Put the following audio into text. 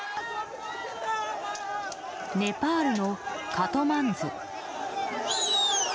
ネパールのカトマンズ。